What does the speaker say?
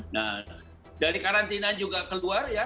nah dari karantina juga keluar ya